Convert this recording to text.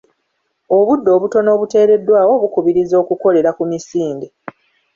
Obudde obutono obuteereddwaawo bukubirizia okukolera ku misinde.